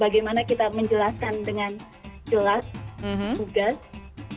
bagaimana kita menjelaskan dengan jelas tugas